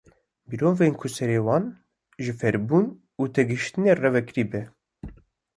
Mirovên ku serê wan ji fêrbûn û têgehîştinê re vekirî be.